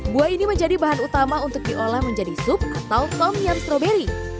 buah ini menjadi bahan utama untuk diolah menjadi sup atau tommyan stroberi